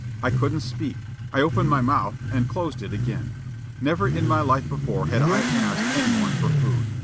I couldn't speak. I opened my mouth and closed it again. Never in my life before had I asked any one for food.